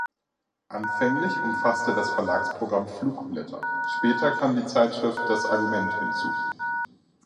Anfänglich umfasste das Verlagsprogramm Flugblätter, später kam die Zeitschrift "Das Argument" hinzu.